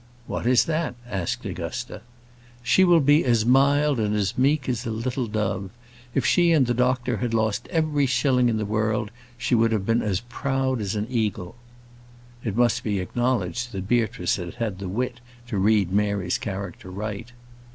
"What is that?" asked Augusta. "She will be as mild and as meek as a little dove. If she and the doctor had lost every shilling in the world, she would have been as proud as an eagle." It must be acknowledged that Beatrice had had the wit to read Mary's character aright.